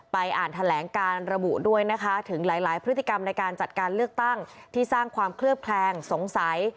อ่านแถลงการระบุด้วยนะคะถึงหลายพฤติกรรมในการจัดการเลือกตั้งที่สร้างความเคลือบแคลงสงสัย